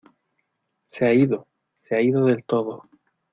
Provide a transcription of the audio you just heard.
¡ Se ha ido! Se ha ido del todo.